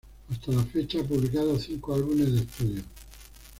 Hasta la fecha ha publicado cinco álbumes de estudio.